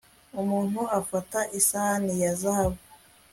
Umuntu afata isahani ya zahabu